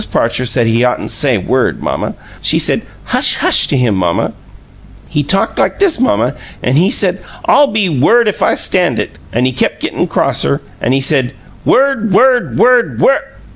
Parcher said he oughtn't to say 'word,' mamma. She said, 'Hush, hush!' to him, mamma. He talked like this, mamma: he said, 'I'll be word if I stand it!' An' he kept gettin' crosser, an' he said, 'Word! Word! WORD!